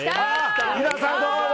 皆さん、どうも！